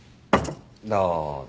どうぞ。